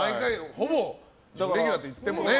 ほぼレギュラーといってもね。